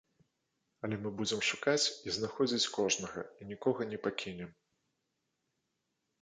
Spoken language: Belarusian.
Але мы будзем шукаць, і знаходзіць кожнага, і нікога не пакінем.